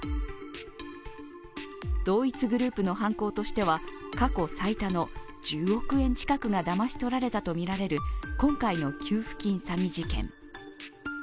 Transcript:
同一グループの犯行としては過去最多の１０億円近くがだまし取られたとみられる今回の給付金詐欺事件。